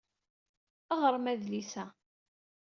Ɣrem adlis-a.